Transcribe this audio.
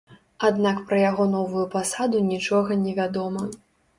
Аднак пра яго новую пасаду нічога невядома.